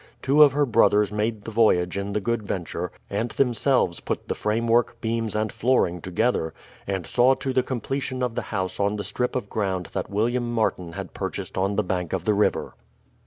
Two of her brothers made the voyage in the Good Venture, and themselves put the framework, beams, and flooring together, and saw to the completion of the house on the strip of ground that William Martin had purchased on the bank of the river.